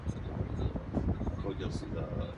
Bilanci ze hřišť soupeřů drží rekord dodnes.